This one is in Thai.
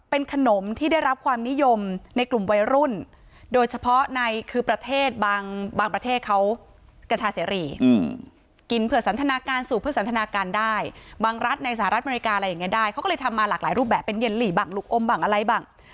เป็นขนมที่ได้รับความนิยมในกลุ่มวัยรุ่นโดยเฉพาะในคือประเทศบางประเทศเขากระชาเสรีกินเผื่อสันทนาการสูบเพื่อสันทนาการได้บางรัฐในสหรัฐอเมริกาอะไรอย่างนี้ได้เขาก็เลยทำมาหลากหลายรูปแบบเป็นเย็นหลีบังหลุกอมบังอะไรบ้าง